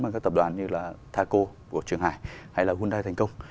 mà các tập đoàn như là taco của trường hải hay là hyundai thành công